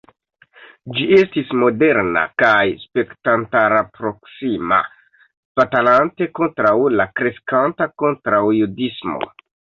Ĝi estis moderna kaj spektantarproksima batalante kontraŭ la kreskanta kontraŭjudismo.